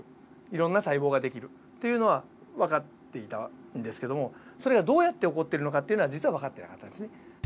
いろんな細胞ができるっていうのは分かっていたんですけどもそれがどうやって起こっているのかっていうのは実は分かってなかったんですね。